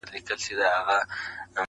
نوي خبرونه د دې کيسې ځای نيسي هر ځای-